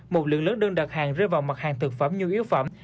một lượng lớn đơn đặt hàng rơi vào mặt hàng thực phẩm nhu yếu phẩm